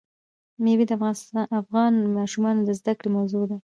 مېوې د افغان ماشومانو د زده کړې موضوع ده.